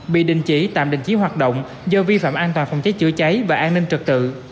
bị đình chỉ tạm đình chỉ hoạt động do vi phạm an toàn phòng cháy chữa cháy và an ninh trật tự